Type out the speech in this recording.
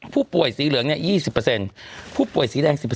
ผู้ป่วยสีเหลืองเนี่ย๒๐ผู้ป่วยสีแดง๑๐